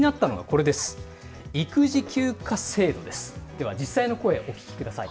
では実際の声お聞きください。